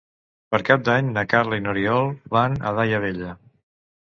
Per Cap d'Any na Carla i n'Oriol van a Daia Vella.